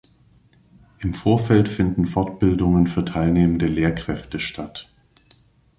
Im Vorfeld finden Fortbildungen für teilnehmende Lehrkräfte statt.